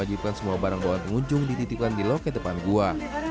dan mewajibkan semua barang doa pengunjung dititipkan di loket depan gua